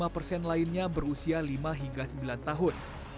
tiga puluh satu lima persen lainnya berusia lima hingga sembilan tahun